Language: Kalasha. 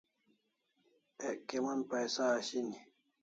Ek kimon paisa ashini